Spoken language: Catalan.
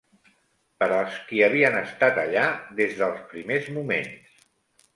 Per als qui havien estat allà des dels primers moments